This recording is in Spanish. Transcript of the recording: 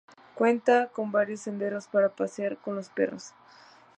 Cuenta con varios senderos para pasear con los perros.